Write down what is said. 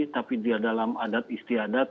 tapi dia dalam adat istiadat